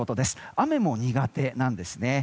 雨も苦手なんですね。